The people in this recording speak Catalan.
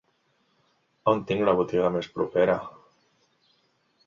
On tinc la botiga més propera?